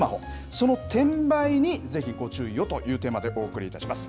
その転売にぜひご注意をというテーマでお送りいたします。